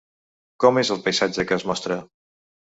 Com és el paisatge que es mostra?